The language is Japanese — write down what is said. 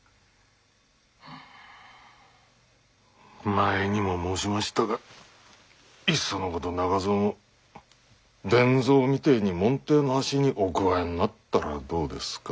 前にも申しましたがいっそのこと中蔵も傳蔵みてえに門弟の端にお加えになったらどうですか？